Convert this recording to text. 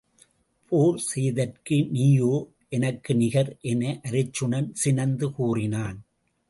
போர் செய்தற்கு நீயோ எனக்கு நிகர்? என அருச்சுனன் சினந்து கூறினான்.